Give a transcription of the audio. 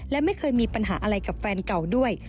และไม่เคยมีปัญหาอะไรกับแฟนเก่าด้วย